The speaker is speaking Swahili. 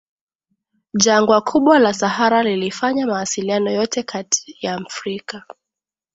Jangwa kubwa la Sahara lilifanya mawasiliano yote kati ya Afrika